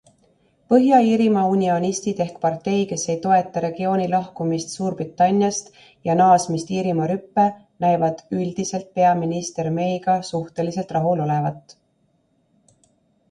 Põhja-Iirimaa unionistid ehk partei, kes ei toeta regiooni lahkumist Suurbritanniast ja naasmist Iirimaa rüppe, näivad üldiselt peaminister Mayga suhteliselt rahul olevat.